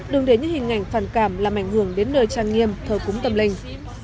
đừng để những hình ảnh phản cảm làm ảnh hưởng đến nơi trang nghiêm thờ cúng tâm linh